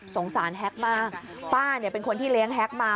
สงสารแฮ็กมากป้าเป็นคนที่เลี้ยงแฮ็กมา